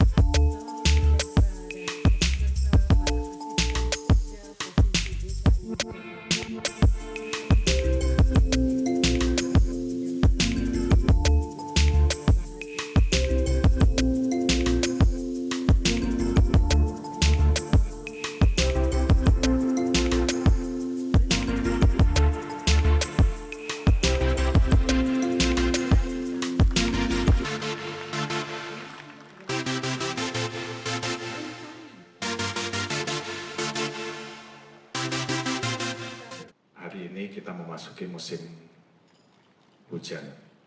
hari ini kita memasuki musim hujan